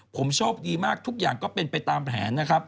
ผมโชคดีมากทุกอย่างก็เป็นไปตามแผนนะครับ